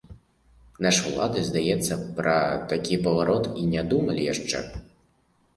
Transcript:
Нашы ўлады, здаецца, пра такі паварот і не думалі яшчэ.